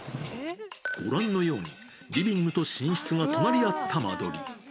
ご覧のように、リビングと寝室が隣り合った間取り。